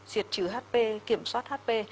diệt trừ hp kiểm soát hp